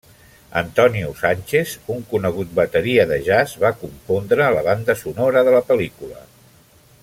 Antonio Sánchez, un conegut bateria de jazz, va compondre la banda sonora de la pel·lícula.